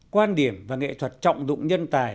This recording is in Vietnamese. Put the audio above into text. quan điểm và nghệ thuật trọng dụng nhân tài